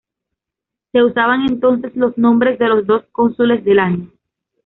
Se usaban entonces los nombres de los dos cónsules del año.